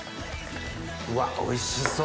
うわおいしそう！